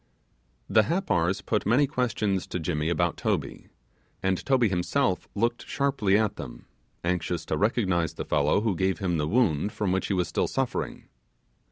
The Happars put many questions to Jimmy about Toby; and Toby himself looked sharply at them, anxious to recognize the fellow who gave him the wound from which he was still suffering.